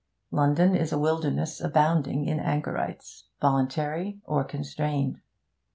London is a wilderness abounding in anchorites voluntary or constrained.